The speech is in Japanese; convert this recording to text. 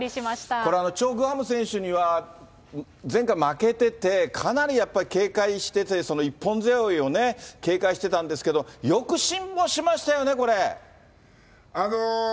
これはチョ・グハム選手には前回負けてて、かなりやっぱり警戒してて、その一本背負いをね、警戒してたんですけど、よく辛抱しましたよね、これ。